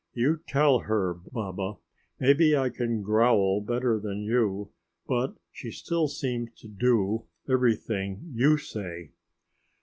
"You tell her, Baba. Maybe I can growl better than you, but she still seems to do everything you say."